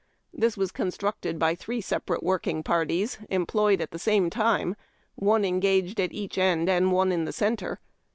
This was con structed by three separate working parties, employed at the same time, one engaged at each end and one in the centre.